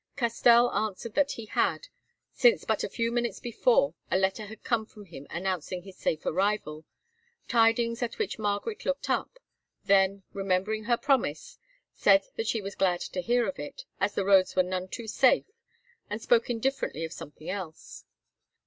Castell answered that he had, since but a few minutes before a letter had come from him announcing his safe arrival, tidings at which Margaret looked up, then, remembering her promise, said that she was glad to hear of it, as the roads were none too safe, and spoke indifferently of something else.